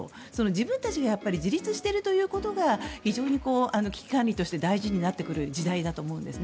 自分たちが自立しているということが非常に危機管理として大事になってくる時代だと思うんです。